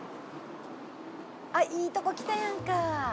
いいとこ来たやんか。